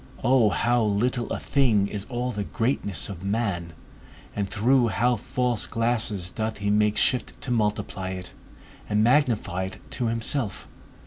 O how little a thing is all the greatness of man and through how false glasses doth he make shift to multiply it, and magnify it to himself!